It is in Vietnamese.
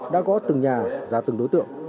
đã gõ từng nhà ra từng đối tượng